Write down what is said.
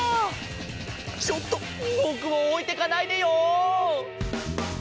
ちょっとぼくをおいてかないでよ！